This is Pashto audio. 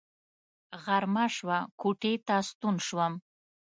غرمه شوه کوټې ته ستون شوم.